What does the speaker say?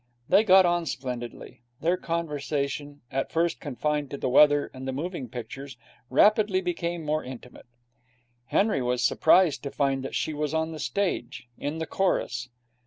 They got on splendidly. Their conversation, at first confined to the weather and the moving pictures, rapidly became more intimate. Henry was surprised to find that she was on the stage, in the chorus.